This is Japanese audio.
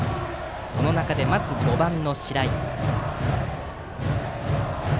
その中でまずは５番の白井。